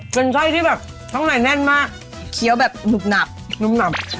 แต่ว่าหนูชอบเอ็นที่มันแบบกรึบนิดหนึ่ง